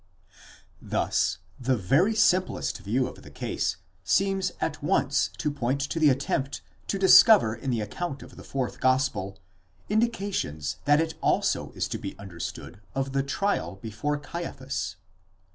Thus the very simplest view of the case seems at once to point to the attempt to discover in the account of the fourth gospel indications that it also is to be understood of the trial before Caiaphas.